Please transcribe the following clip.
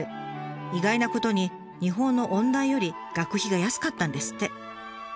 意外なことに日本の音大より学費が安かったんですって。